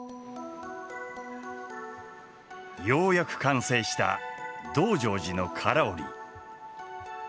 ようやく完成した「道成寺」の唐織。